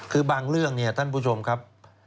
คือบางเรื่องเนี่ยท่านผู้ชมครับ